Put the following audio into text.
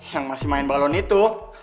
yang masih main balon itu